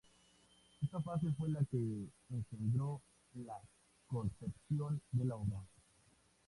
Esta fase fue la que engendró la concepción de la obra.